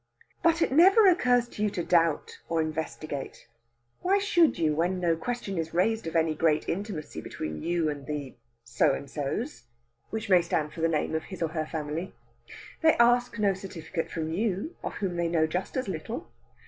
But it never occurs to you to doubt or investigate; why should you, when no question is raised of any great intimacy between you and the So and sos, which may stand for the name of his or her family. They ask no certificate from you, of whom they know just as little.